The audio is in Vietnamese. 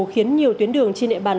khiến nhiều tuyến đường trên địa bàn